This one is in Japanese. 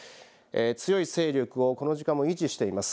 強い勢力をこの時間も維持しています。